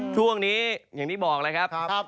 ช่วงนี้อย่างที่บอกเลยครับ